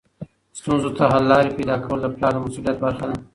ستونزو ته حل لارې پیدا کول د پلار د مسؤلیت برخه ده.